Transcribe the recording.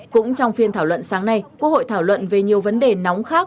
cũng trong phiên thảo luận sáng nay quốc hội thảo luận về nhiều vấn đề nóng khác